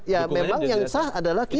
ya memang yang sah adalah kita